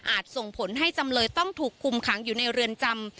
ส่งผลให้จำเลยต้องถูกคุมขังอยู่ในเรือนจำ